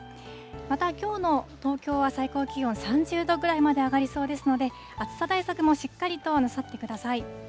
またきょうの東京は最高気温３０度ぐらいまで上がりそうですので、暑さ対策もしっかりとなさってください。